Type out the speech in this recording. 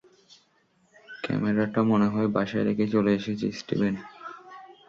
ক্যামেরাটা মনেহয় বাসায় রেখে চলে এসেছি, স্টিভেন।